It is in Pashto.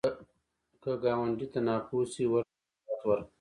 که ګاونډي ته ناپوهه شي، ورته وضاحت ورکړه